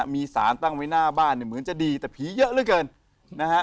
มีสารตั้งไว้หน้าบ้านเนี่ยเหมือนจะดีแต่ผีเยอะเหลือเกินนะฮะ